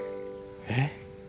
えっ？